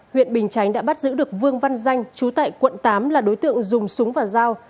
huyện bình chánh đã bắt giữ được vương văn danh chú tại quận tám là đối tượng dùng súng và dao